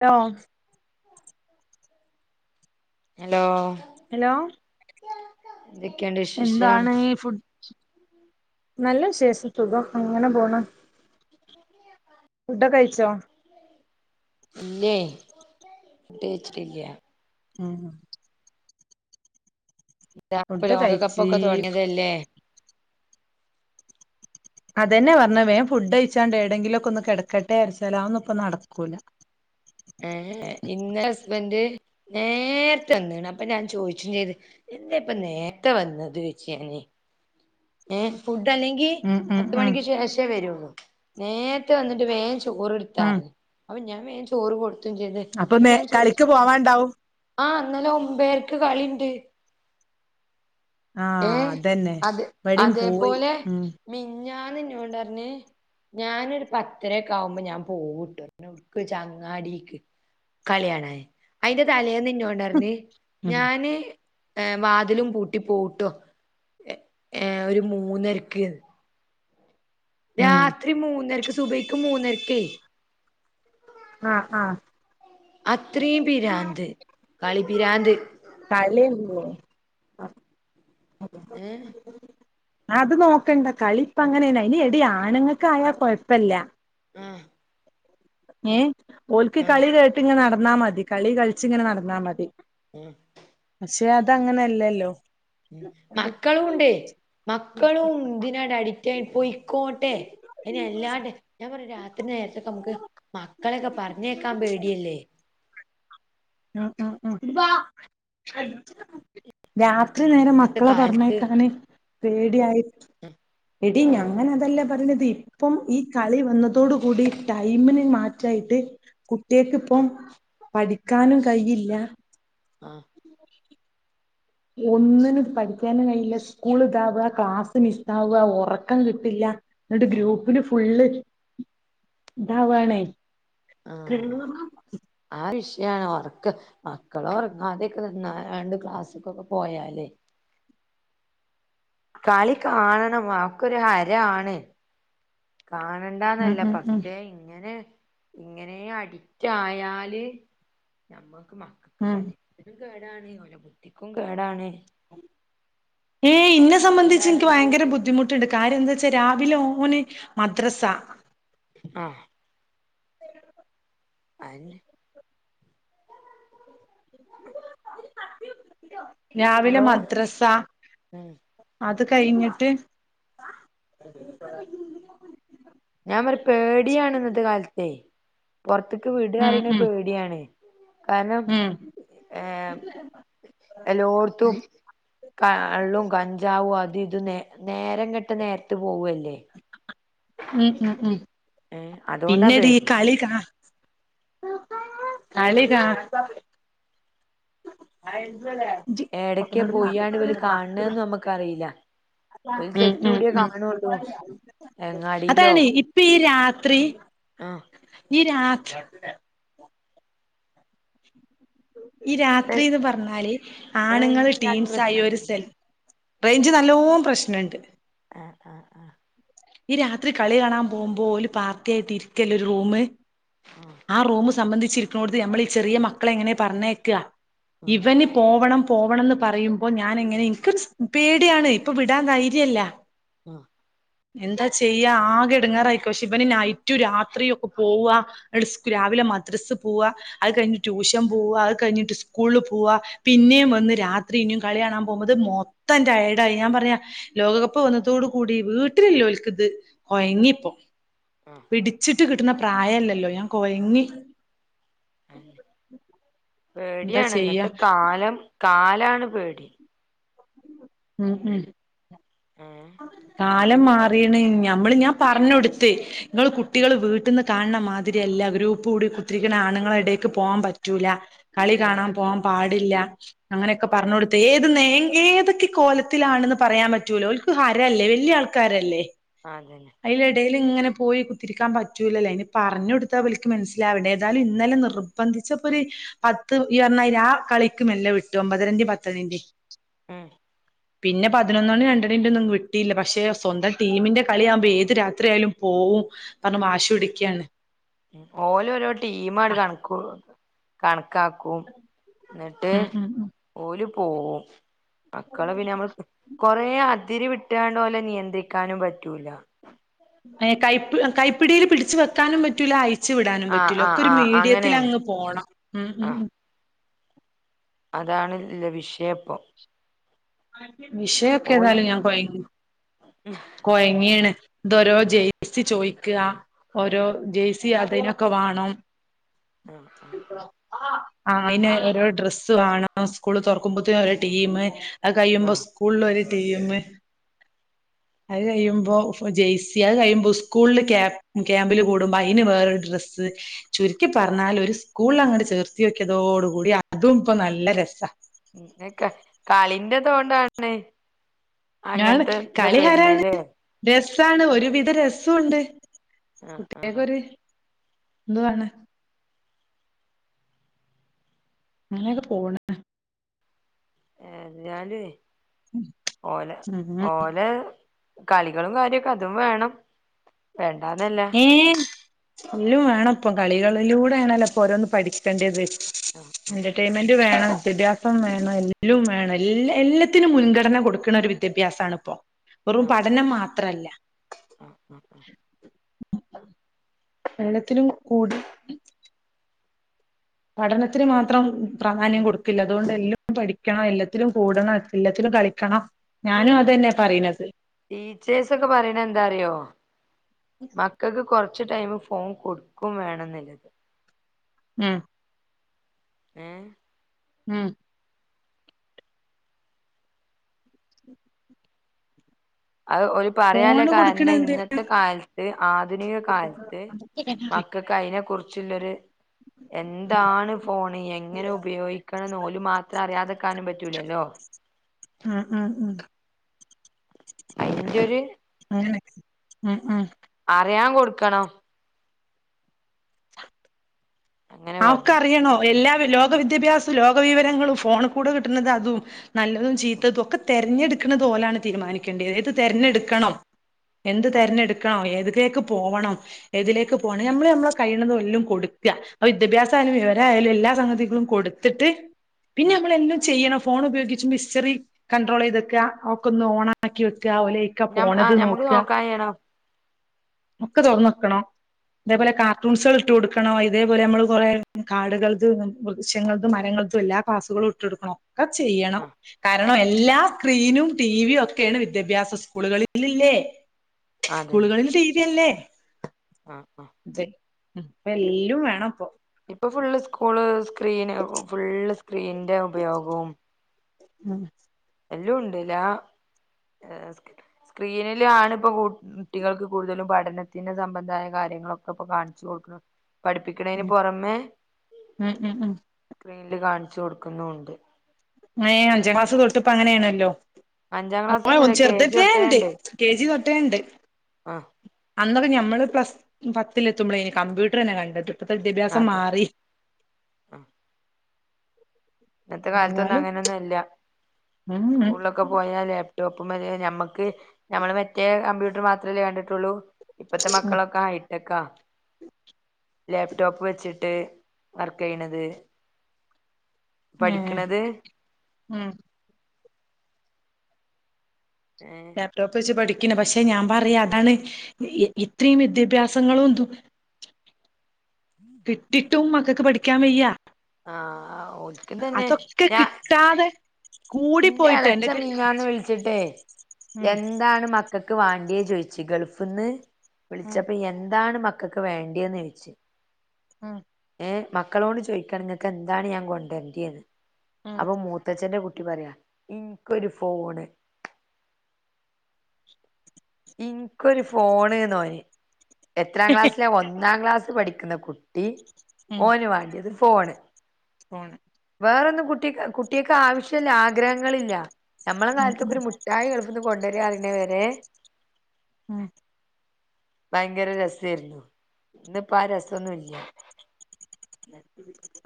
Law hello hello എന്തൊക്കെയുണ്ട് വിശേഷം എന്താണ് ഈ ഫുഡ് നല്ല വിശേഷം സുഖം അങ്ങനെ പോണ് ഫുഡൊക്കെഴിച്ചോ ഇല്ലേ ഫുഡയിച്ചിട്ടില്ല ആ ഇതാപ്പ ഫുഡ് കഴിച്ച് ലോകകപ്പൊക്കെ തൊടങ്ങിയതല്ലേ അതെന്നെ പറഞ്ഞ വേഗം ഫുഡ് കഴിച്ചാണ്ട് എവിടെങ്കിലും ഒക്കെ ഒന്ന് കിടക്കട്ടെ അരച്ചാല ഒന്നും ഇപ്പം നടക്കൂല ഏയ് ഇന്ന് ഹസ്ബന്റ് നേരത്തെ വന്നാണ് അപ്പൊ ഞാൻ ചോദിച്ച ചെയ്ത് എന്താ ഇപ്പ നേരത്തെ വന്നത് വെച്ചിയാന് ഏ ഫു അല്ലെങ്കിൽ ഉം ഉം പത്ത് ഉം മണിക്ക് ശേഷേ വരുള്ളൂ നേരത്തെ വന്നിട്ട് വേ ഉം [unintelligible] അപ്പോ ഞാൻ വേഗം ചോറ് കൊട് ചെയ്തേ അപ്പൊ നേ ഞാൻ ചോദിച്ചു കളിക്ക് പോവാണ്ടാവും ആ ഇന്നലെ ഒമ്പേർക്ക് കളിയിണ്ട് ആ അതെന്നെ അത് ഇവിടേം പോയി ഉം ഞാൻ നിന്നോണ്ട പറഞ്ഞ് ഞാനൊരു പത്തര ഒക്കെ ആകുമ്പോ ഞാൻ പോവൂട്ട് എവിടുക്ക് അങ്ങാടിക്ക് കളി കാണാൻ അതിന്റെ തലേന്നു ഒണ്ടാർന്നി ഉം ഞാന് എ വാതിലും പൂട്ടി പോവും ട്ടോ എ ഏ ഒരു മൂന്നരക്ക് ഉം രാത്രി മൂന്നരക്ക് സുബൈക്ക് മൂന്നരക് ക്കെ ആ ആ അ ത്രയും പിരാന്ത് കളി പിരാന്ത് കളീം ഏ അത് നോക്കണ്ട കളിപ്പങ്ങനെണ് അയ്‌ന് എടീ ആണുങ്ങക്ക് ആയാ കൊഴപ്പല്ല ആ ഏ ഓൽക്ക് കളി കേട്ട്ങ്ങനെ നട ന്നാ മതി കളി കളിച്ച്ങ്ങനെ നടന്നാ മതി ഉം ക്ഷെ അത് അങ്ങനെയല്ലല്ലോ മക്കളുംണ്ടേ മക്കളും ഇതിനായിട്ട് അഡിറ്റായി പോയി ക്കോട്ടെ അയ്ന്ല്ലാണ്ട് ഞാൻ പറഞ് രാത്രി നേരത്തൊക്കെ നമുക്ക് മക്കളെയൊക്കെ പറഞ്ഞേക്കാ പേടിയല്ലേ ഉപ്പാ രാത്രി നേരം ഇന്നത്തെ മക്കളെ കാലത്ത് പറഞ്ഞേക്കാന് പേടിയായി എടീ ഞാന് പറഞ്ഞത് ഇപ്പം ഈ കളി ന്നതോടുകൂടി ടൈമിന് മാ ച്ചയ്ട്ട് കു ആ ട്ടേക്ക്പ്പം പടി ക്കാനും കഴിയില്ല ആ ഒന്നിനും പഠിക്കാനും കഴിയില്ല സ്കൂൾ ഇതാവ ക്ലാസ് മിസ്സാവ ഉറക്കം കിട്ടില്ല ന്നട്ട് ആ ഗ്രൂപ്പില് ഫുള്ള് താ വാണെയ് [unintelligible] യാണ് ഒറക്ക് മക്കളോറങ്ങാതെ നിന്നാണ്ട് ക്ലാസ്സ്ക്കൊക്കെ പോയാലേ കളി കാണണം അക്കൊരു ഹരാണ് കാണണ്ടന്നല്ല ഉം ഉം പക്ഷേ ഇങ്ങനെ ഇങ്ങനെ അടിറ്റായാല് നമ്മ മക്കക്ക് ഉം ശരീരത്തിനും കേടാണ് ഓലെ ബുദ്ധിക്കും കേടാണ് ഏ ഇന്നെ സംബന്ധിച്ച്ൻക്ക് ഭയങ്കര ബുദ്ധിമുട്ട്ണ്ട് കാര്യം ന്താച്ചാ രാവിലെ ഓന് മദ്രസ അ അനേ രാവിലെ നല്ലോ മദ്രസ ഉം അധ്യ ത് കഴിഞ്ഞിട്ട് ഞാൻ പറ പൊറ്ത്ത്ക് ഉം ഉം വിടറിനെപേടിയാണെ കാരണം ഉം ഏ എല്ലോട്ത്തും ക ള്ളും കഞ്ചാവും അത് ത് നേ നേരം കെട്ട നേര്ത്ത് പോവല്ലേ ഉം ഉം ഉം ഏഹ് അതോണ്ടാ പിന്നെടി ഈ പേടി കളിക കളികാ ഏടെക്കെ പോയാണ്ട് ഇവല് കാണ് ണേന്നുംനമ്മക്കറീല്ല ഉം ഉം ഉം അങ്ങാടിയിലോ അതാണ് ഇപ്പ ഈ രാ ത്രി ആഹ് ഇ രാത്ര [inaudible] ഇ റേ രാത്രിന്ന് പറഞ്ഞാല് ആണുങ്ങള് റേഞ്ചില്ലാത്ത ട്ടിംസായി ഒരു പ്രശ്നണ്ടോ സെൽ റേഞ്ച് നല്ലോം പ്രശ്നണ്ട് ആഹ്ആഹ് ആഹ് ഈ രാത്രി കളി കാണാ പോമ്പോ ഓല് പാർട്ടി ആയി തിരിക്കല്ലെ ഒരു റൂമ് ആ റൂമ് സംബന്ധി ച്ചിരിക്കുനണോട്ത്ത് ഞമ്മളീ ചെറ്യേ മക്കളെയെങ്ങനെ പറഞയക്ക ആഹ് ആഹ് ഇവന് പോവണം പോവണംന്ന് പറയുമ്പോ ഞാനെങ്ങനെ ഇൻക്ക് പേടിയാണ് ഇപ്പൊ വിടാ ധൈര്യല്ല ഉം എന്താ ചെയ്യ ആകെ എടങ്ങാറായിക്ക ക്ഷെ ഇവനി നൈറ്റു രാത്രി ഒക്കെ പോവാ സ്‌ [unintelligible] രാവിലെ മദ്രസ് പോവാ അഹ് കഴിഞ്ഞിട്ട് ട്യൂഷം പോവാ അത് കഴിഞ്ഞിട്ട് ഇസ്കൂള് ല് പോവ പിന്നെം വന്ന് രാത്രി ഇനിം കളിആണാൻ പോനത് മൊത്തംറ്റയേടായി ഞാൻ പറഞ്ഞ ലോകകപ്പ് വന്നതോടു കൂടി വീട് ൽ ഓല്ക്ക്ത് ഒഴങ്ങിപ്പം ആഹ് പിടിച്ചിട്ട് കിട്ടുന്ന പ്രായല്ല ല്ലോ ഞാൻ കോയങ്ങി അഹെന്നെ എന്താ പേടിയാണ് ചെയ്യാ ഇന്നത്തെ കാലം കാല ലാണ് പേടി ഉം ഉം [inaudible] ഏഹ് കാലം മാറീണ് ഞമ്മള് ഞാ പറഞ്ഞൊടുത്ത് ങ്ങള് ഉം കുട്ട്യേള് വീട്ടിന്ന് കാണണ മാതിരിയല്ല ഗ്രൂപൂടി കുത്തിരിക്ന്ന ആണുങ്ങള എടേക്ക് പോആൻ പറ്റൂല കളി ആഹ് കാണാൻ പോവാം പാട് ഇല്ല അങ്ങനെയൊക്കെ പറഞ്ഞ കൊടുത്തേ ത് നേ ഏതൊക്കെ കോലത്തിലാണെന്ന് പറയാൻ പറ്റൂലോ ഓൽക്ക് ഹര അല്ലേ വലിയ ആൾക്കാരല്ലേ. അതന്നെ. അയിലെടേല് ഇങ്ങനെ പോയി കുത്തിരിക്കാൻ പറ്റൂലല്ലോ ഇനി പറഞ്ഞു കൊടുത്ത അവലിക്ക് മനസ്സിലാവേണ്ടേ ഏതാലും ഇന്നലെ നിർബന്ധിച്ചപ്പോ ഒരു പത്ത് ഇറിഞ്ഞായി ആ കളിക്കും എല്ലാം വിട്ടു ഒമ്പതരന്റെയും പത്തരന്റേം. ഉം പിന്നെ പതിനൊന്ന മണി രണ്ടണിന്റെ ഒന്നും വിട്ടിയില്ല പക്ഷെ സ്വന്തം ടീമിന്റെ കളിയ ആവുമ്പോൾ ഏത് രാത്രിയാലും പോവും പറഞ്ഞ വാശി പിടക്കുകയാണ്. ഓലും ഓരോ ടീം ആട് കണക്ക് കണ കാക്കും. എന്നിട്ട് ഉം ഉം ഉം ഓലു പോവും. മക്കളെ പിന്നെ നമ്മള് കൊറെേ അതിരി വിട്ടാണ്ട് പോലെ നിയന്ത്രിക്കാനും പറ്റൂല. ഏ കൈപ് കൈപ്പിടിയിൽ പിടിച്ച് വെക്കാനും പറ്റൂല അയ് ച്ച് വിടാനും ആഹ് പറ്റൂല. ആഹ് ഒക്കെ ഒരു ആഹ് മീഡിയത്തില് അങ്ങനെയാണ് അങ്ങ് പോണം. ഉം, ഉം, ആഹ് ഉം. അതാണ് ഇല്ല വിഷയപ്പൊ ആര് വിഷയൊക്കെ ഏതാലും ഞാൻ കൊയഞ്ഞു. കൊയങ്ങിയാന് ഇതോരോ ആഹ് ജയ്‌സി ചോയ് ക്കാ, ഓരോ ജേഴ്സി അതിനൊക്കെ വാണം. ആ അങ്ങനെ ഓരോ ഡ്രസ്സ് വാണം സ്കൂള് തൊറക്കുമ്പത്തിന് ഒരു ടീം അത് ആഹ് കഴിയുമ്പോ സ്കൂളിൽ ഒര്, ടീമ് അത് കഴിയുമ്പോ ജെയ്സി അത് കഴിയുമ്പോ സ്കൂളില് ക്യാ ക്യാമ്പില് കൂടുമ്പോ അയിന് വേറൊരു ഡ്രസ്സ് ചുരുക്കി പറഞ്ഞാൽ ഒരു സ്കൂൾ ല് അങ്ങട് ചേർത്തിയോക്ക്യയതോടു കൂടി അതും ഇപ്പോ നല്ല രസാ. [unintelligible] കളിന്റെതോണ്ടാണ്. ഞാണ് കളി ഹരാണ് യെസ് സാണ് ഒരുവിധ രസുണ്ട്. ആഹ് ആഹ് കുട്ടിയേക്കൊര് എന്തുവാണ് ഇങ്ങനെക്കെ പോണ്. ഏ ഞാല് ഓല ഉം ഓല് കളികളും കാര്യൊക്കെ അതും വേണം. വേണ്ടന്നല്ല ഏഹ് എല്ലും വേണപ്പം കളികളിലൂടെ ആണല്ലോ ഇപ്പോ ഒരോന്നും പഠിക്കേണ്ടത് ആഹ് എന്റെ ടൈമെന്റ് [inaudible] വേണം, വിദ്യാഭ്യാസം വേണം. എല്ലോം വേണം എല്ലാ എല്ലാത്തിനും മുൻഗണന കൊടുക്കണ ഒരു വിദ്യാഭ്യാസണ് ഇപ്പോ. വെറും പഠനം മാത്ര അല്ല ആഹ ഹാ ഹ്. എല്ലത്തിനും കൂടി പഠനത്തിന് മാത്രം പ്രാധാന്യം ഉം കൊടുക്കില്ല അതുകൊണ്ട് എല്ലോം [unintelligible] ക്കണം, എല്ലത്തിലും കൂടണം, എല്ലത്തിലും കളിക്കണം ഞാനും ആ അതന്നെ പറയണത് ടീച്ചേഴ്സ് ഒക്കെ പറയണത് എന്താ അറിയോ. മക്കക്ക് കൊർ ടൈമ് ഫോൺ കൊടാക്കും വേണംന്ന്ള്ളത് മ് ഏ മ് അത് ഓല് പറയാല്ലെ ഫോണ് കൊടുക്കണ കാരണം, എന്ത് ഇന്നത്തെ കാലത്ത്, ആധുനിക കാലത്ത് മക്കക്ക് അയ്നെ കുർ [unintelligible] എന്താണ് ഫോണ്, എങ്ങനെ ഉപയോഗിക്കണംന്ന് ഓല് മാത്രം അറിയാതെക്കാനും പറ്റൂലല്ലോ. ഉം ഉം ഉം അയിന്റെ [unintelligible] ഒരു ഉം ഉം. അറിയാൻ കൊടുക്കണം അങ്ങനെ ആ ഒക്ക പറഞ്ഞു അറിയണോ എല്ലാം ലോക വിദ്യാഭ്യാസും, ലോക വിവരങ്ങളും, ഫോണ്ക്കൂടെ കിട്ടുന്നത് അതും, നല്ലതും ചീത്തതും, ഒക്കെ തെരഞ്ഞെടുക്ക്ണത് ഓലാണ് തീരുമാനിക്കണ്ടേ ഏത് തെരഞ്ഞെടുക്കണം [unintelligible] ആ തെരഞ്ഞെടുക്കണോ ഏത് ക്ക് പോവണം, ഏതിലേക്ക് പോണം, നമ്മള് നമ്മളെ കഴിയണതെല്ലം കൊടുക്ക വിദ്യാഭ്യാസായാലും, വിവരാ യാലും എല്ലാ സംഗതികളും കൊടുത്തിട്ട് പിന്നെ നമ്മളെല്ലം ചെയ്യണം. [unintelligible] ഉപയോഗിച്ച് മിസ്റ്ററി കണ്ട്രോളെയ്തെക്കാ, അഒക്കൊന്ന് ഓണാക്കി വെ ഓല് എയ്ക്ക ഞം ആ പോണത് ഞമ്മക്ക് നോക്കാ. നോക്കാൻ ചെയ്യണം ഒക്കെ തൊർന്നൊട്ക്കണം ഉം [unintelligible] കാർട്ടൂൺസാള് [unintelligible] കൊടുക്കണോ ഇത് നമ്മള് കൊറേ കാടുകൾതും, വൃക്ഷങ്ങൾതും, മരങ്ങൾതും എല്ലാ ക്ലാസുകളും ഇട്ടൊട്ക്കണം. ക്കെ ചെയ്യണം ആ കരാ കാരണം എല്ലാ സ്ക്രീനും ടിവിയും ഒക്കെയാണ് വിദ്യാഭ്യാസ സ്കൂളുകളിൽ ഇല്ലേ അതന്നെ സ്കൂളുകളിൽ ടി വി അല്ലേ ആ ആ ഉ അപ്പൊ എല്ലും വേണം ഇപ്പൊ ഇപ്പൊ ഫുള്ള് സ്കൂള് സ്ക്രീന് ഫുള്ള് സ്ക്രീന്റെ ഉപയോഗവും ഉം എല്ലാം ഉണ്ട്ല്ല ഏർ സ്ക്രീനില് ആണ് ഇപ്പ കുട്ടികൾക്ക് കൂടുതലും പഠനത്തിന്റെ സംബന്ധമായ കാര്യങ്ങളൊക്കെ ഇപ്പൊ കാണിച്ചു കൊടുക്കുന്നത് പഠിപ്പിക്കണതിന് ഉം പുറമേ ഉം ഉം സ്ക്രീനിൽ കാണിച്ചു [unintelligible] കൊടുക്കുന്നുണ്ട് അഞ്ചാ ക്ലാസ് തൊട്ട് ഇപ്പ അങ്ങനെയാണല്ലോ അഞ്ചാം ക്ലാസ് ഓ ഒന്നുമില്ല ഒന്ന് കെ ജി ചെറുതട്ടേ തൊട്ടേ ഉണ്ട് കെ ജി തൊട്ടേണ്ട് ആഹ് അന്നൊക്കെ ഞമ്മള് പ്ലസ് പത്തിൽത്തുമ്പോഴേ ഇനി കമ്പ്യൂട്ടർ തന്നെ കണ്ടത് [unintelligible] വിദ്യാഭ്യാസം മാറി അതെന്നെ ആ ഇന്നത്തെ കാലത്തൊന്നും എന്നാലും അങ്ങനെയൊന്നും ഇല്ല ഉം സ്കൂളിലൊക്കെ പോയാൽ [unintelligible] ഞമ്മക്ക് നമ്മൾ മറ്റേ കമ്പ്യൂട്ടർ മാത്രമല്ലേ കണ്ടിട്ടുള്ളൂ ഇപ്പത്തെ മക്കളൊക്കെ ഹൈടെക്കാ ലാപ്ടോപ്പ് വെച്ചിട്ട് വർക്ക് ചെയ്യണത് ഏ പഠിക്കണത് ഉം ഏഹ് ലാപ്ടോപ്പ് വെച്ച് പഠിക്കും പക്ഷെ ഞാൻ പറയാ അതാണ് ഇത്രയും വിദ്യാഭ്യാസങ്ങളുംണ്ട് കിട്ടിട്ടും മക്കക്ക്‌ പഠിക്ക [unintelligible] വയ്യ ആഹ് [unintelligible] തന്നെ അതൊക്കെ ഞാ കിട്ടാതെ കൂടി ഇന്റെ [unintelligible] പോയിട്ട് ഇളച്ചൻ എന്റെത് മീനിഞ്ഞാ ന്ന് വിളിച്ചിട്ടേ ഉം എന്താണ് മക്ക ക്ക് വാണ്ടിയെ ചോയിച്ചു ഗൾഫ് നിന്ന് ഉം വിളിച്ചപ്പ എന്താണ് മ മക്കക്ക് വേണ്ടിയന്ന് ചോ ഴിച്ചു ആ ഏ മക്കളോട് ചോയ്ക്കണം ഇങ്ങക്കെന്താണ് ഞാൻ കൊണ്ടൊര്യന്റെന്ന് ഉം അപ്പൊ മൂത്തച്ഛ്ന്റെ കു ട്ടി പറയാ ഇൻക്കൊരു ഫോണ് ഇൻ ക്കൊരു ഫോണ്ന്ന് ഓന്. എത്രാം ക്ലാസ്സില ഒന്നാം ക്ലാസ്സി ക്ക് പഠിക്ക്ന്ന കുട്ടി ഉം ഓന് വാണ്ട്യത്‌ ഫോണ് ഫോണ് വേറൊന്നും കുട്ടിക് കുട്ട്യേക്ക് ആവശ്യല്ല ആഗ്രഹങ്ങളില്ല. നമ്മളെ ഉം കാലത്തൊക്കെ ഉം ഒരു മുട്ടായി ഗൾഫ്ന്ന് കൊണ്ടര്റി ണെ വരെ മ് ഭയങ്കര രസേര്ന്നു. ഇന്ന്പ്പ ആ രസൊന്നുല്ല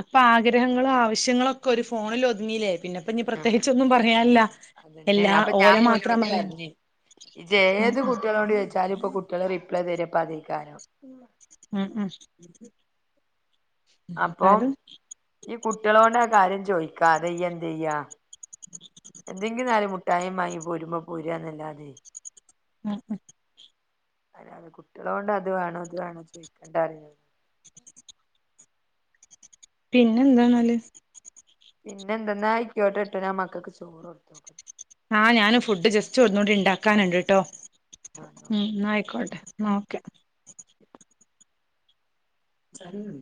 അപ്പ ആഗ്രഹങ്ങളും ആവശ്യങ്ങളൊക്കെ ഒരു ഫോണിൽ ഒതുങ്ങീലെ ആ അതന്നെ എല്ലാ അപ്പ ഞാൻ ഓലെ മാത്രം ഓനോട് പറയാം പർഞ്ഞ് ഇജ്ജ് ഉം ഏത് കുട്ടിയളോട് ചോയിച്ചാലും ഇപ്പ കുട്ടിള്റിയിം എപ്പളാ തെര് ഇപ്പതെക്കാരം ഉം ഉം അപ്പോം ഈ കുട്ട്യേളോടാ കാര്യം ചോയ്ക്കാതെ ഇയ്യെന്തെയ്യ എന്തെങ്കിലും നാല് മുഠായി മാങ്ങി പോരുമ്പോ പോരാന്നല്ലാതെ ഉം ഉം അല്ലാതെ കുട്ട്യേളോട് അത് വേണോ ഇത് വേണോ ചോയ്കണ്ടറിയ പിന്നെ എന്താന്നാല് പിന്നെ എന്താ ന്നാ അയ്ക്കോട്ടെ ട്ടോ ഞാൻ മക്കക്ക് ചോറ് കൊടുക്കട്ടെ ആ ഞാനും ഫുഡ് ജസ്റ്റ് ഒന്നുടി ഇണ്ടാക്കാന്ണ്ട് ട്ടോ ഉം ന്നാ അയ്ക്കോട്ടെ ന്നാ ഓക്കെ ഉം